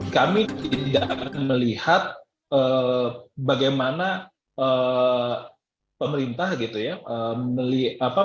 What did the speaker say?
kami tidak akan melihat bagaimana pemerintah gitu ya